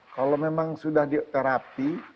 kalau memang sudah dioterapi